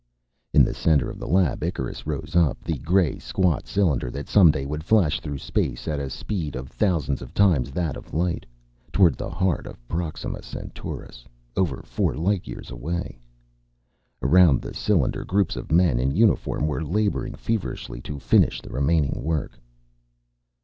In the center of the lab Icarus rose up, the gray squat cylinder that someday would flash through space at a speed of thousands of times that of light, toward the heart of Proxima Centaurus, over four light years away. Around the cylinder groups of men in uniform were laboring feverishly to finish the remaining work.